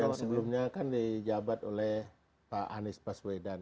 yang sebelumnya kan dijabat oleh pak anies baswedan